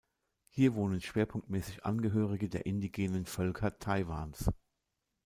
Hier wohnen schwerpunktmäßig Angehörige der indigenen Völker Taiwans.